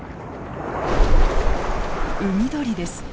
海鳥です。